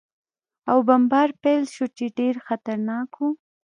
او بمبار پېل شو، چې ډېر خطرناک و.